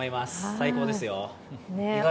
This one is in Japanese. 最高ですよ。